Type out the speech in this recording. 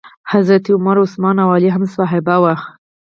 حضرت عمر، عثمان او علی هم صحابه وو.